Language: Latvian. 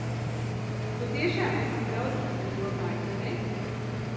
Tu tiešām esi daudz par to domājis, ne?